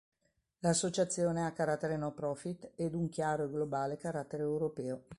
L'Associazione ha carattere no-profit ed un chiaro e globale carattere europeo.